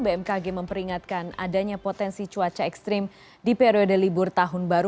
bmkg memperingatkan adanya potensi cuaca ekstrim di periode libur tahun baru